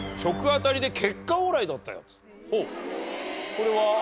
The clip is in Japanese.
これは？